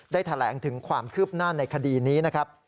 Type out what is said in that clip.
แถลงถึงความคืบหน้าในคดีนี้นะครับ